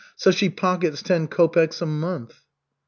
So she pockets ten kopeks a month."